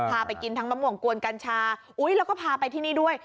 พาไปกินทั้งมะม่วงกวนกัญชาแล้วก็พาไปที่นี่ด้วย